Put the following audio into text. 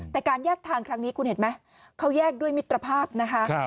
แต่การแยกทางครั้งนี้คุณเห็นไหมเขาแยกด้วยมิตรภาพนะคะ